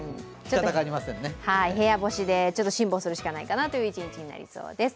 部屋干しで辛抱するしかないかなという一日になりそうです。